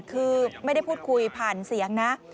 คือไม่ได้พูดคุยผ่านเสียงนะ